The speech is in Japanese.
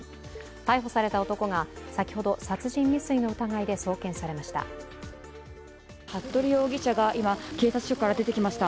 逮捕された男が先ほど殺人未遂の疑いで送検されました。